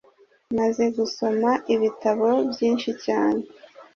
Maze gusoma ibitabo byinshi cyane